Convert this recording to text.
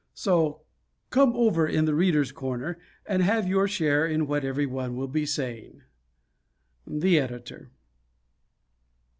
So "come over in 'The Readers' Corner'" and have your share in what everyone will be saying. _The Editor.